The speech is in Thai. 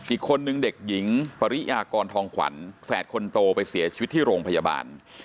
อีกคนนึงเด็กหญิงปริยากรทองขวัญแฝดคนโตไปเสียชีวิตที่โรงพยาบาล